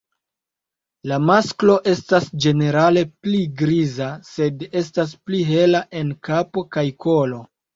La masklo estas ĝenerale pli griza, sed estas pli hela en kapo kaj kolo.